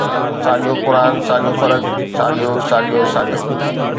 ساڳيو قرآن، ساڳيو فرق، ساڳيو، ساڳيو، ساڳيو